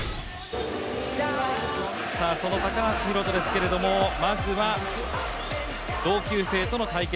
その高橋宏斗ですけど、まずは同級生との対決